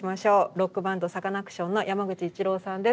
ロックバンドサカナクションの山口一郎さんです。